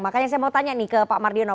makanya saya mau tanya nih ke pak mardiono